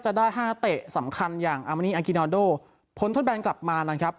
จะได้๕เตะสำคัญอย่างอามณีอากินอนโดพ้นทดแบนกลับมานะครับ